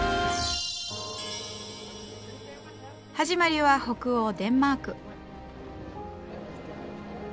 始まりは北欧デンマーク。